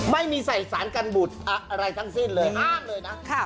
ไม่มีใส่สารกันบุตรอะไรทั้งสิ้นเลยอ้างเลยนะ